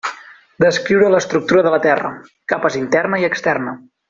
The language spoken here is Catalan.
Descriure l'estructura de la Terra: capes interna i externa.